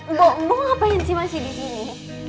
mbok mbok ngapain si masih disini